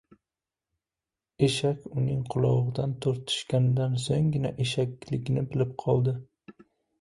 • Eshak uning qulog‘idan tortishganidan so‘nggina eshakligini bilib qoldi.